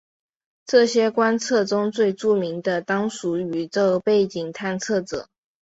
这些观测中最著名的当属宇宙背景探测者。